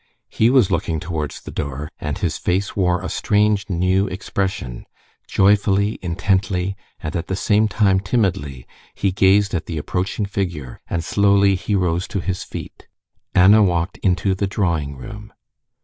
He was looking towards the door, and his face wore a strange new expression. Joyfully, intently, and at the same time timidly, he gazed at the approaching figure, and slowly he rose to his feet. Anna walked into the drawing room.